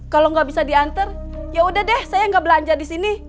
kalau nggak bisa diantar yaudah deh saya nggak belanja di sini